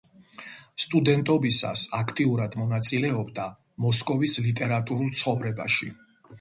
სტუდენტობისას აქტიურად მონაწილეობდა მოსკოვის ლიტერატურულ ცხოვრებაში.